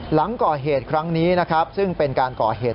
หลังก่อเหตุครั้งนี้นะครับซึ่งเป็นการก่อเหตุ